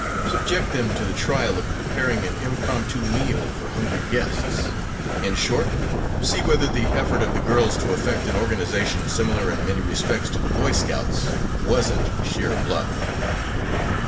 Subject them to the trial of preparing an impromptu meal for hungry guests, in short, see whether the effort of the girls to effect an organization similar in many respects to the Boy Scouts wasn't sheer bluff.